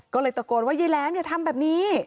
ก็เลยตะโกนว่ายายแหลมอย่าทำแบบนี้